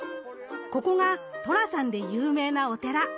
ここが寅さんで有名なお寺。